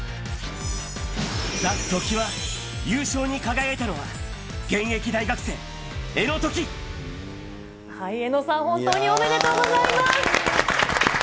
ＴＨＥＴＯＫＩＷＡ、優勝に輝いたのは、現役大学生、江野兎季。江野さん、本当におめでとうございます。